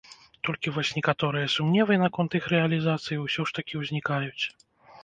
Толькі вось некаторыя сумневы наконт іх рэалізацыі ўсё ж такі ўзнікаюць.